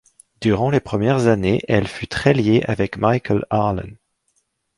Durant les premières années, elle fut très liée avec Michael Arlen.